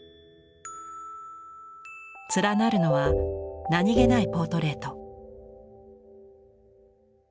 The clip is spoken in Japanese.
連なるのは何気ないポートレート。